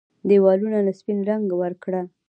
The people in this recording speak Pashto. ديوالونو له سپين رنګ ورکړه